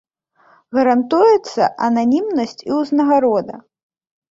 Гарантуецца ананімнасць і ўзнагарода.